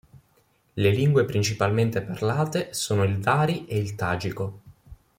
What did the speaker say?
Le lingue principalmente parlate sono il dari e il tagico.